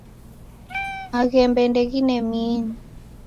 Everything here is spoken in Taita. Maghembe ndeghine miini.